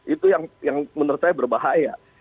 itu yang menurut saya berbahaya